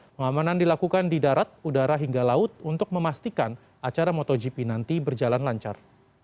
pengamanan dilakukan di darat udara hingga laut untuk memastikan acara motogp nanti berjalan lancar